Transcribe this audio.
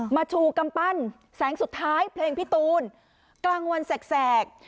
ชูกำปั้นแสงสุดท้ายเพลงพี่ตูนกลางวันแสก